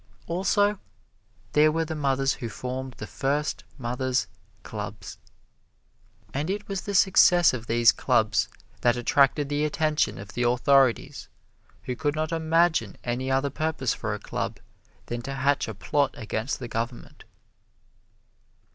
Also, these were the mothers who formed the first mothers' clubs. And it was the success of these clubs that attracted the attention of the authorities, who could not imagine any other purpose for a club than to hatch a plot against the government.